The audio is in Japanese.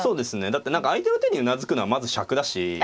だって何か相手の手にうなずくのはまずしゃくだし。